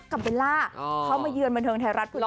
กับเบลล่าเข้ามาเยือนบรรเทิงไทยรัฐ